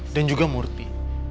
dan juga murthy